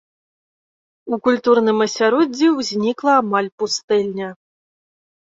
У культурным асяроддзі ўзнікла амаль пустэльня.